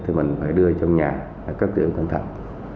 thì mình phải đưa trong nhà các tiểu cân thẳng